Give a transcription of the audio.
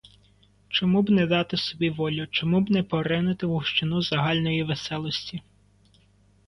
Чому б не дати собі волю, чому б не поринути в гущину загальної веселості?